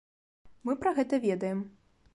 Мы пра гэта ведаем.